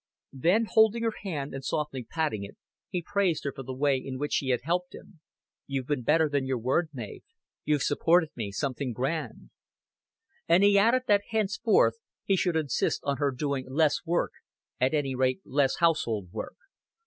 Then, holding her hand and softly patting it, he praised her for the way in which she had helped him. "You've been better than your word, Mav; you've supported me something grand." And he added that henceforth he should insist on her doing less work, at any rate less household work.